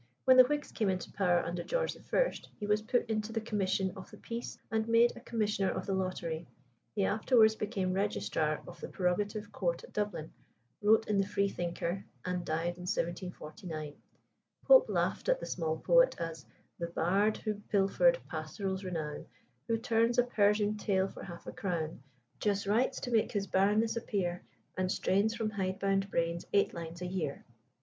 When the Whigs came into power under George I. he was put into the commission of the peace, and made a Commissioner of the Lottery. He afterwards became Registrar of the Prerogative Court at Dublin, wrote in the Free Thinker, and died in 1749. Pope laughed at the small poet as "The bard whom pilfered Pastorals renown, Who turns a Persian tale for half a crown, Just writes to make his barrenness appear, And strains from hide bound brains eight lines a year."